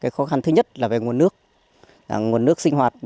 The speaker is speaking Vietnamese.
khó khăn thứ nhất là về nguồn nước nguồn nước sinh hoạt